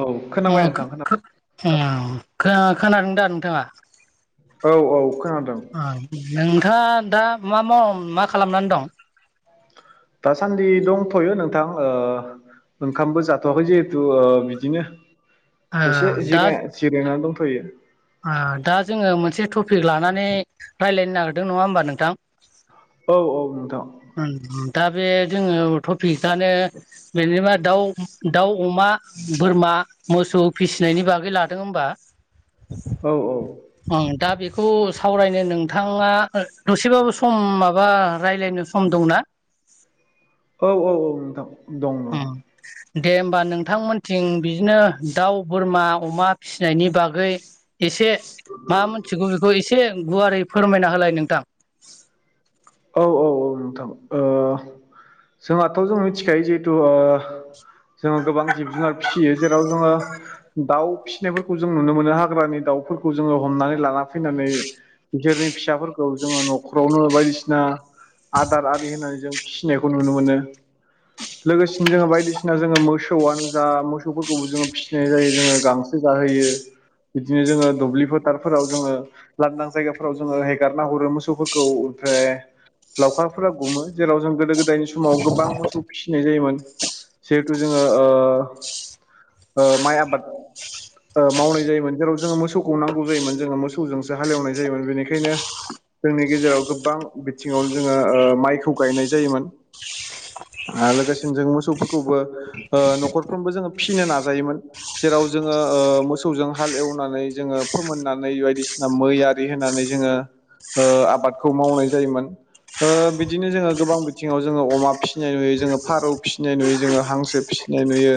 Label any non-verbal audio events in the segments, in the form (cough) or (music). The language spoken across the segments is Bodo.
औ खोनाबाय नोंथां खोनाबाय औ खोनादों दा नोंथाङा औ औ खोनादों। अ नोंथाङा दा मा मा मा खालामनानै दं? दासान्दि दंथ'यो नों थां ओ ओंखामबो जाथ'वाखै जिहेथु बिदिनो ओ एसे जिरा जिरायनानै दंथ'यो। आ दा जोङो मोनसे टपिक लानानै रायज्लायनो नागिरदों नङा होमबा नोंथां। औ औ नोंथां। दा बे जोङो टपिकआनो जेनेबा दाउ दाउ अमा बोरमा, मोसौ फिसिनायनि बागै लादो होमबा औ औ। खौ सावरायनो नोंथाङा दसेबाबो सम माबा रायज्लायनो सम दंना औ औ औ नोंथां दं औ उम दे होमबा नोंथांमोनथिं बिदिनो दाउ बोरमा अमा फिसिनायनि बागै एसे मा मोनथिगौ बेखौ एसे गुवारै फोरमायना होलाय नोंथां औ औ औ नोंथां ओ जोंहाथ' जों मिथिखायो जिहेथु ओ जोङो गोबां जिब जुनार फिसियो जेराव जोङो दाउ फिसिनायफोरखौ जों नुनो मोनो हाग्रानि दाउ दाउफोरखौ जोङो हमनानै लाना फैनानै बिसोरनि फिसाफोरखौ जोङो न'खावनो बायदिसिना फसिना आदार आरि होननानै जों फिसिनायखौ नुनो मोनो लोगोसेनो जोङो बायदिसिना जोङो मोसौआनो जा मोसौफोरखौबो जोङो फिसिनाय जायो जोङो गांसो जाहैयो बिदिनो जोङो दुब्लि फोथारफोराव जोङो लांदां जायगाफोराव जोङो हेगारना हरो मोसौफोरखौ ओमफ्राय लावखारफोरा गमो जेराव जों गोदो गोदायनि समाव गोबां मोसौ फिसिनाय जायोमोन जिहेथु जोङो माइ आबाद मावनाय जायोमोन जेराव जोङो मोसौखौ नांगौ जायोमोन जोङो मोसौजोंसो हालेवनाय जायोमोन बेनिखायनो जोंनि गेजेराव गोबां बिथिङाव जोङो माइखौ गायनाय जायोमोन (inaudible) (unintelligible) आरो लोगोसेनो जों मोसौफोरखौबो न'खरफ्रोमबो जोङो फिसिनो नाजायोमोन जेराव जोङो ओ मोसौजों हाल एवनानै जोङो फोमोननानै बायदिसिना मै आरि होनानै जोङो ओ आबादखौ मावनाय जायोमोन ओ बिदिनो जोङो गोबां बिथिङाव जोङो अमा फिसिनाय नुयो जोङो फारौ फिसिनाय नुयो जोङो हांसो फि फिनाय नुयो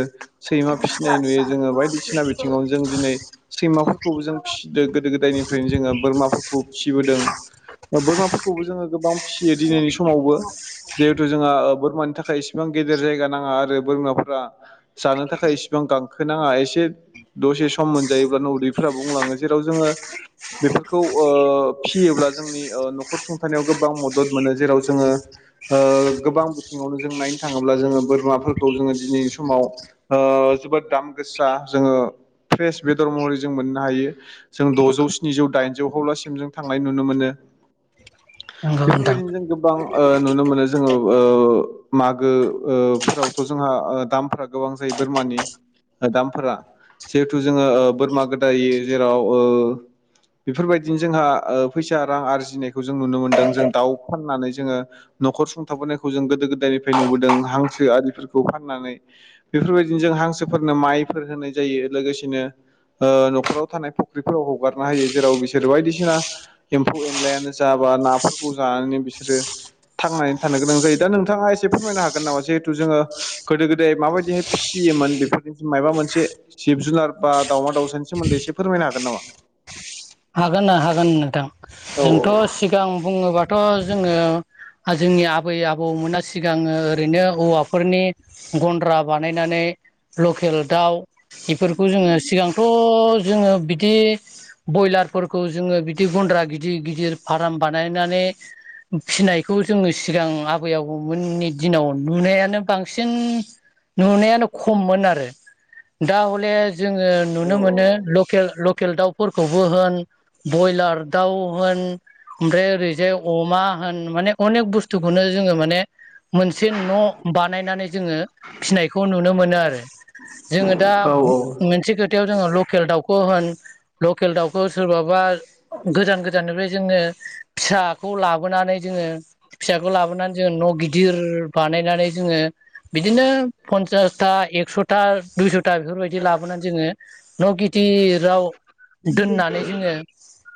सैमा फिसिनाय नुयो जोङो बायदिसिना बिथिङावनो जों दिनै सैमाफोरखौबो जों फिसि गोदो गोदायनिफ्रायनो जोङो बोरमाफोरखौ फिसिबोदों बोरमा खौबो जोङो गोबां फिसियो दिनैनि समावबो जिहेथु जोंहा बोरमानि थाखाय इसेबां गेदेर जायगा नाङा आरो बोरमाफोरा जानो थाखाय इसेबां गांखोनाङा एसे दसे सम मोनजायोब्ला न उदैफोरा बुंलाङो जेराव जोङो बेफोरखौ फियोब्ला जोंनि नखर सुंथानायाव गोबां मदद मोनो जेराव जोङो गोबां बिथिङावनो जों नायनो थाङोब्ला जोङो बोरमाफोरखौ जोङो दिनैनि समाव जोबोद दाम गोसा जोङो फ्रेश बेदर महरै जों मोननो हायो जों द'जौ स्निजौ दाइनजौखौ लासिम जों थांनाय नुनो मोनो (inaudible) (unintelligible) बेफोरबायदिनो जों गोबां नुनो मोनो जोङो मागो फोरावथ' जोंहा दामफ्रा गोबां जायो बोरमानि दामफोरा जिहेथु जोङो बोरमा गोदाय जेराव ओ बेफोरबायदिनो जोंहा फैसा रां आरजिनायखौ जों नुनो मोनदों जों दाउ फाननानै जोङो न'खर सुंथाबोनायखौ जों गोदो गोदायनिफ्राय नुबोदों हां हांसो आरिफोरखौ फाननानै बेफोरबायदिनो जों हांसोफोरनो माइफोर होनाय जायो लोगोसेनो न'खराव थानाय फुख्रिफोराव हगारनो हायो जेराव बिसोरो बायदिसिना एम्फौ एनलायानो जाबा नाफोरखौ जानानै बिसोरो थांनानै थानो गोनां जायो दा नोंथाङा एसे फोरमायनो हागोन नामा जिहेथु जोङो गोदो गोदाय माबायदिहाय फिसि फैयोमोन बेफोरनि मायाबा मोनसे जिब जुनार बाावमा दावउसानि सोमोन्दै एसे फोरमायनो हागोन नामा? हागोनना हागोन नोंथां औ औ जोंथ' सिगां बुङोब्ला थ' जोङो जोंनि आबै आबौमोना सिगाङो ओरैनो औवाफोरनि गन्द्रा बानायनानै लकेल दाउ बेफोरखौ जोङो सिगांथ' जोङो बिदि ब्रयलारफोरखौ जोङो बिदि गन्द्रा गिदिर गिदिर फार्म बानायनानै फिसिनायखौ जोङो सिगां आबै आबौमोननि दिनाव नुनायानो बांसिन नुनायानो खममोन आरो दा हले जोङो औ नुनो मोनो लेल लकेल दाउफोरखौबो होन ब्रयलार दाउ होन ओमफ्राय ओरैजाय अमा होन माने अनेक बुस्थुखौनो जोङो माने मोनसे न' बानायनानै जोङो फिनायखौ नुनो मोनो आरो जोङो दा मोनसे खोथायाव जोङो लकेल दाउखौ होन लकेल दाउखौ सोरबाबा गोदान गोदाननिफ्राय जोङो फिसाखौ लाबोनानै जोङो फिसाखौ लाबोनानै जोङ न' गिदिर बानायनानै जोङो बिदिनो पनसासथा एकस'था दुइस'था बेफोरबायदि लाबोनानै जोङो न' गिदिर (unintelligible) राव दोननानै जोङो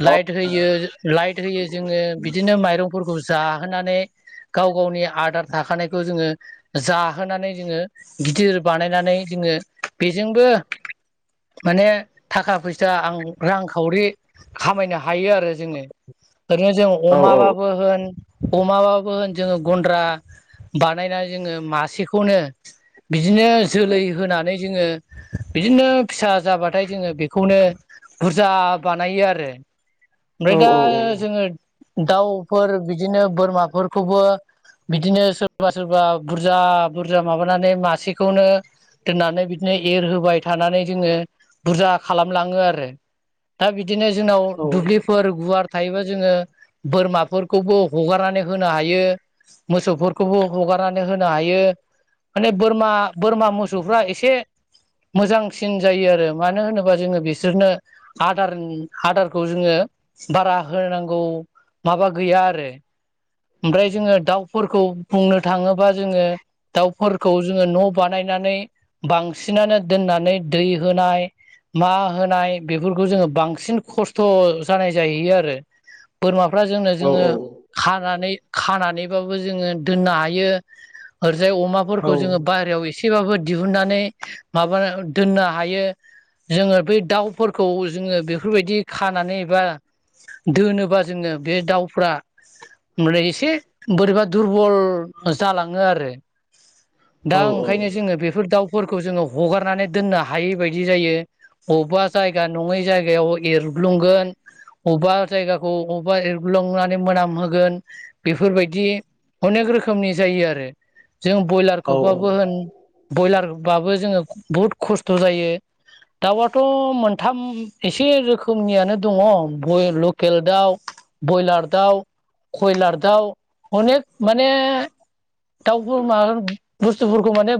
लाइट होयो लाइट होयो जोङो बिदिनो माइरं फोरखौ जाहोनानै गाव गावनि आदार थाखानायखौ जोङो जा होनानै जोङो गिदिर बानायनानै जोङो बेजोंबो माने थाखा फैसा जा आं रांखावरि खामायनो हायो आरो जोङो ओरैनो जों अमाबाबो होन अमाबाबो होन जोङो गन्द्रा बानायनानै जोङो मासेखौनो बिदिनो जोलै होनानै जोङो बिदिनो फिसा जाबाथाय जोङो बेखौनो बुरजा बानायो आरो ओमफ्राय दा जोङो दाउफोर बिदिनो बोरमाफोरखौबो बिदिनो सोरबा सोरबा बुरजा बुरजा माबानानै मासेखौनो दोननानै बिदिनो एरहोबाय थानानै जोङो बुरजा खालामलाङो आरो (unintelligible) दा बिदिनो जोंनाव दुब्लिफोर गुवार थायोबा जोङो बोरमाफोरखौबो हगारनानै होनो हायो मोसौफोरखौबो हग हगारनानै होनो हायो माने बोरमा बोरमा मोसौफ्रा एसे मोजांसिन जायो आरो मानो होनोबा जोङो बि बिसोरनो आदार आदारखौ जोङो बारा होनांगौ माबा गैया आरो ओमफ्राय जोङो दाउफोरखौ बुंनो थाङोबा जोङो दाउफोरखौ जोङो न' बानायनानै बांसिनानो दोननानै दै होनाय मा होनाय बेफोरखौ जोङो बांसिन खस्थ' जानाय जाहैयो आरो बोरमा फ्रा जोंनो जोंङो खानानै खानानैबाबो जोङो दोननो हायो जाय अमाफोरखौ जोङो बाहेरायाव एसेबाबो दिहुननानै माबा दोननो हायो जोङो बे दाउफोरखौ जोङो बेफोरबायदि खानानै एबा दोनोबा जोङो बे दाउफ्रा ओमफ्रा एसे बोरैबा दुरबल जालाङो आरो दा ओंखायनो जोङो बेफोर दाउफोरखौ जोङो हगारनानै दोननो हायै बायदि जायो बबेबा जायगा नङै जायगायाव एरग्लुंगोन अबेबा जायगाखौ अबेबा एरगलांनानै मोनामहोगोन बेफोरबायदि अनेक रोखोमनि जायो आरो जों ब्रयलारखौबाबो होन ब्रयलारबाबो जोङो बुहुद खस्थ' जायो दाउआथ' मोनथाम एसे रोखोमनियानो दङ लकेल दाउ ब्रयलार दाउ खयलार दाउ अनेक माने दाउ बोरमा होन बुस्थुफोरखौ माने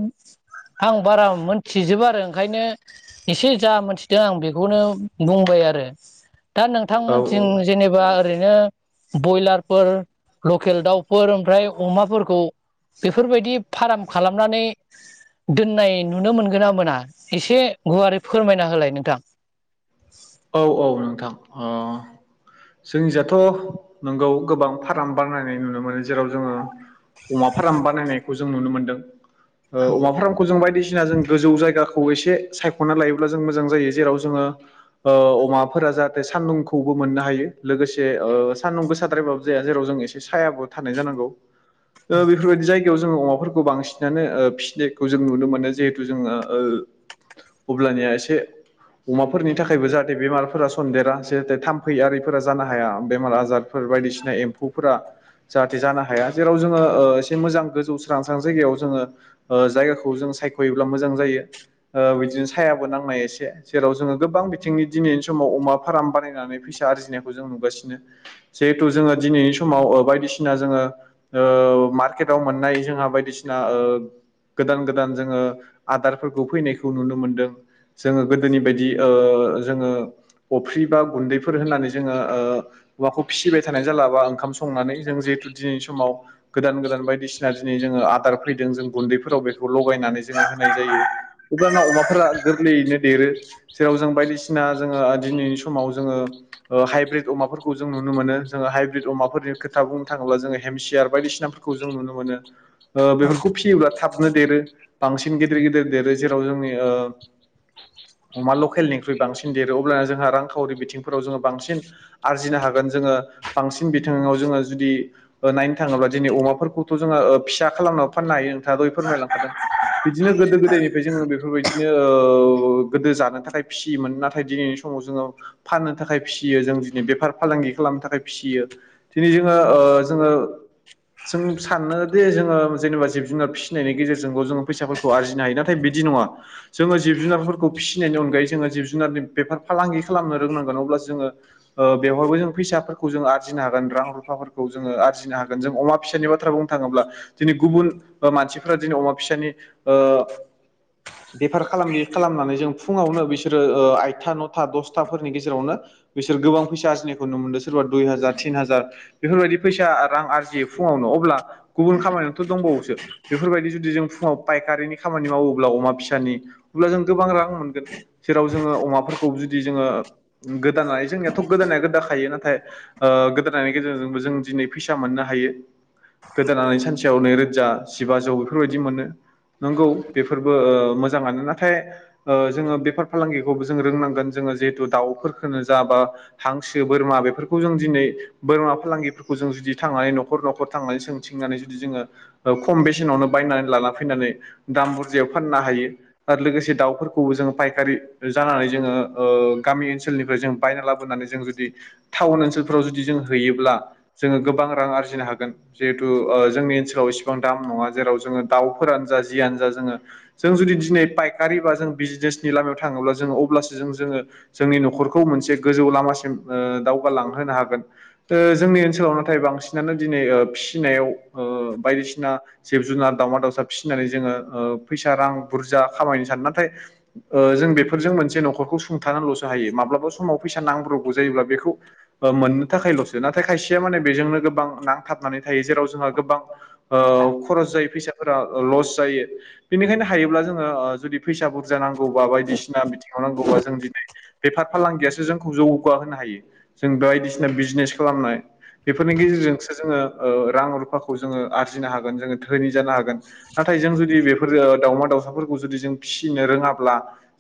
आं बारा मोनथिजबाक्षआरो ओंखायनो एसे जा मोनथिदों आं बेखौनो बुंबाय दि आरो दा नोंथांमोनथिं जेनेबा ओैरैनो ब्रयलार फोर लकेल दाउफोर ओमफ्राय अमाफोरखौ बेफोरबायदि फार्म खालामनानै दोननाय नुनो मोनगोन ना मोना एसे गुवारै फोरमायना होलाय नोंथां औ औ नोंथां जोंनि जाथ' नोंगौ गोबां फार्म बानायनाय नुनो मोनो जेराव जोङो अमा फाराम बानायनायखौ जों नुनो मोनदों अमा फार्मखौ जों बायदिसिना जों गोजौ जायगाखौ औ एसे सायखना लायोब्लाजोंं मोजां जायो जेराव जोंङो ओ अमाफोरा जाहाथे सानदुंखौबो मोननो हायो लोगोसे सानदुं गोसाद्रायबाबो जाया जेराव जों एसे सायाबो थानाय जानांगौ बेफोरबायदि जायगा जागायाव जोङो अमाफोरखौखौ बांसिनानो फिसिनायखौ जों नुनो मोननाय जायो जिहेथु जोङो अब्लानिया एसे अमाफोरनि थाखायबो जाहाथे बेमारफोरा सनदेरा जारै थाम्फै आरो फोर जानो हाया बेमार आजारफोर बायदिसिना एम्फौफोरा जाहाथे जानो हाया जेराव जोङो ओ एसे मोजां गोजौ स्रां स्रां जायगायाव जोङो जायगाखौ जों सायखयोब्ला मोजां जायो। ओ बिदिनो सायाबो नांनाय एसे जेराव जोङो गोबां बिथिंनि दिनैनि समाव अमा फाराम बानायनानै फैसा आरजिनायखौ जों नुगासिनो जिहेथु जोङो दिनैनि समाव बायदिसिना जोङो। ओ मार्केटाव मोननाय जोंहा बायदिसिना ओ गोदान गोदान जोङो आदारफोरखौ फैनायखौ नुनो मोनदों जोङो गोदोनि बायदि ओ जोङो अफ्रि बा गुन्दै फोर होन्नानै जोङो ओ औवाखौ फिसिबाय थानाय जालाबा ओंखाम संनानै जों जिहेथु दिनैनि समाव गोदान गोदान बायदिसिना दिनै जोङो आदार फैदों जों गुन्दैफोराव बेखौ लगायनानै जोङो होनाय जायो। अब्लाना अमाफोरा गोरलैयैनो देरो जेराव जों बायदिसिना जोङो दिनैनि समाव जोङो। हाइब्रिद अमाफोरखौ जों नुनो मोनो जोङो हाइब्रिद अमाफोरनि खोथा बुंनो थाङोब्ला जोङो हेमसियार बायसिना खौ जों नुनो मोनो। ओ अ बेफोरखौ फिसियोब्ला थाबनो देरो बांसिन गेदिर गिदिर देरो जेराव जोंनि ओ लांदां अमा लकेलनिख्रुइ बांसिन देरो अब्लानो जोंहा रांखावरि बिथिं बांसि आरजिनो हागोन जोङो बांसिन बिथिङाव जोङो जुदि नायनो थाङोबा दिनै अमाफोरखौथ जोङो फिसा खालामनाबो फाननो हायो नोंथाङा दह'इ फोरमायलांखादों। बिदिनो गोदो गोदायनिफ्राय जोङो बेफोरबायदिनो ओ गोदो जानो थाखाय फिसियोमोन नाथाय दिनैनि सम समाव जोङो। फाननो थाखाय फिसियो जों दिनै बेफार फालांगि खालामनो थाखाय फिसियो दिनै जोङो ओ जोङो। जों सानो जे जोङो जेनेबा जिब जुनार फिसिनायनि गेजेरजोंबो जोङो फैसाफोरखौ आरजिनो हायो नाथाय बिदि बिदि नङा जोङो जिब जुनारखौ फिसिनायनि अनगायै जोङो जिब जुनारनि बेफार फालांगि खालामनो रोंनांगोन अब्ला जोङो ओ बेवहायबो जों फैसाफोरखौ जों आरजिनो हागोन रां रुफाफोरखौ जोङो आरजिनो हागोन जों अमा फिसानि बाथ्रा बुंनो थाङोब्ला दिनै गुबुन मानसिफोरा दिनै अमा फिसानि ओ (inaudible) बेफार खालामै खालामनानै जों फुङावनो बिसोरो ओ आतथा नथा दसथा फोरनि गेजेरावनो बिसोर गोबां फैसा आरजिनायखौ नु मोनदों सोरबा दुइ हाजार तिन हाजार बेफोरबायदि फैसा रां आरजियो फुङावनो अब्ला गुबुन खामानियावथ दंबावोसो बेफोरबायदि जुदि जों फुङाव फायखारिनि खामानि मावओब्ला अमा फिसानि आब्ला जों गोबां रां मोनगोन जेराव जोङो अमाफोरखौ जोङो गोदानाय जोंनियाथ' गोदानाया गोदाखायो नाथाय गोदानानायनि गेजेरजोंबो जों दिनै फैसा मोननो हायो गोदानानै सानसेयाव नैरोजा जिबाजौ बेफोरबायदि मोनो नोंगौ बेफोरबो ओ मोजाङानो नाथाय ओ जोङो बेफार फालांगिखौबो जों रोंनांगोन जेहुथु दाउफोरखौनो जा बा हांसो बोरमा बेफोरखौ जों दिनै बोरमा फालांगि जों जुदि थांनानै नखर नखर थांनानै सोंथिंनानै जुदि जोङो खम बेसेनावनो बायनानै लाना फैनानै दाम बुरजायाव फाननो हायो आरो लोगोसे दाउफोरखौबो जोङो फायखारि जानानै जोङो ओ गामि ओनसोलनिफ्राय जों बायना लाबोनानै जों जुदि टाउन ओनसोलफ्राव जुदि जों हैयोब्ला जोङो गोबां रां आरजिनो हागोन जिहेतु जोंनि ओनसोलाव इसेबां दाम नङा जेराव जोङो दाउफोरानो जा जियानो जा जोंङो जों जुदि दिनै फायखारि बा जों बिजनेनि लामायाव थाङोब्ला जों अब्लासो जों जोङो जोंनि नखरखौ मोनसे गोजौ लामासिम ओ दावगालांहोनो हागोन ओ ।जों जोंनि ओनसोलाव नाथाय बांसिनानो दिनै ओ फिसिनायाव ओ बायदिसिना जिब जुनार दावमा दावउसा फिसिनानै जोङो फैसा रां बुरजा खामायनो सानो नाथाय ओ जों बेफोरजों मोनसे नखर नखरखौ सुंथानानैलसो हायो माब्लाबा समाव फैसा नांब्रगौ जायोब्ला बेखौ मोननो थाखायलसो नाथाय खाय या माने बेजोंनो गोबां नांथाबनानै थायो जेराव जोंहा ओ गोबां खरस जायो फैसाफोरा लस जायो बेनिखायनो हायोब्ला जोङो जुदि फैसा बुरजा नांगौबा बायदिसिना बिथिं थांनांगौबा जों दिनै बेफार फालांगियासो जोंखौ जौगा होनो हायो जों बायदिसिना बिजनेस खालामनाय बेफोरनि गेजेरजोंसो जोङो रां रुफाखौ जोङो आरजिनो हागोन जोङो धोनि जानो हागोन नाथाय जों जुदि बेफोर दाउमा दाउसाफोरखौ जुदि जों फिसिनो रोङाब्ला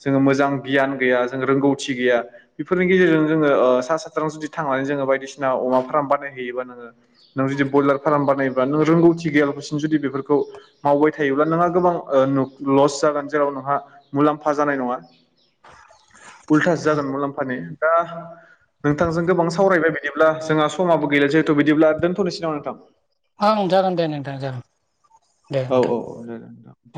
जोङो मोजां गियान गैया जों रोंगौथि गैया बेफोरनि गेजेरजों जोङो ओ सा साज्रां जुदि थांनानै जोङो बायदिसिना अमा फार्म बानायहैयोबा नोङो नों जुदि ब्रयलार फार्म बानायोबा नों रोंगौथि गैयालाबासिम जुदि बेफोरखौ मावबाय थायोब्ला नोंहा गोबां ओ नु लस जागोन जेराव नोंहा मुलाम्फा जानाय नङा उल्थासो जागोन मुलाम्फानि दा नोंथांजों गोबां सावरायबाय बिदिब्ला जोंहा समाबो गैला जिहेथु बिदिब्ला दोनथ'नोसै नामा नोंथां? ओं जागोन दे नोंथां जागोन। दे औ औ औ नोंथां जागोन दे जागोन।